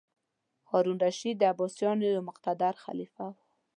هارون الرشید د عباسیانو یو مقتدر خلیفه و.